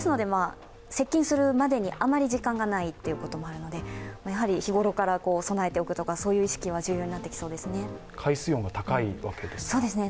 接近するまでにあまり時間がないということもあるので、日頃から備えておくとかそういう意識は重要になってきそうですね。